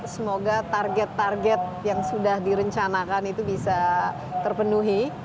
semoga target target yang sudah direncanakan itu bisa terpenuhi